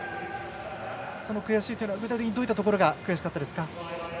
その悔しいというのは具体的にどういうところが悔しかったですか？